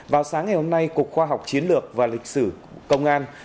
vào sáng ngày hôm nay cục khoa học chiến lược và lịch sử công an